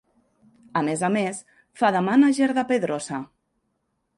A més a més, fa de mànager de Pedrosa.